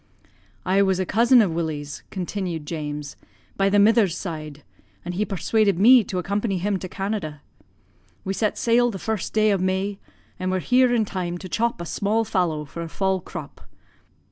"'I was a cousin of Willie's,' continued James, 'by the mither's side, and he persuaded me to accompany him to Canada. We set sail the first day of May, and were here in time to chop a small fallow for a fall crop.